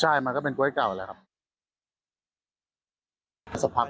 ใช่มันก็เป็นก๊วยเก่าแล้วครับ